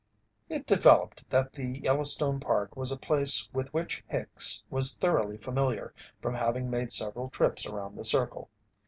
It developed that the Yellowstone Park was a place with which Hicks was thoroughly familiar from having made several trips around the Circle.